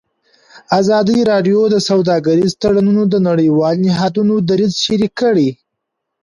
ازادي راډیو د سوداګریز تړونونه د نړیوالو نهادونو دریځ شریک کړی.